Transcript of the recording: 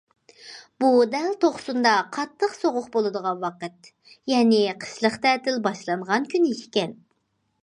بۇ دەل توقسۇندا قاتتىق سوغۇق بولىدىغان ۋاقىت، يەنى قىشلىق تەتىل باشلانغان كۈنى ئىكەن.